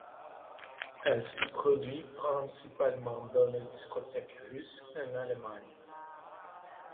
Elle se produit principalement dans les discothèques russes en Allemagne.